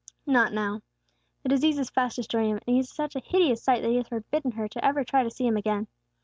"Not now. The disease is fast destroying him; and he is such a hideous sight that he has forbidden her to ever try to see him again.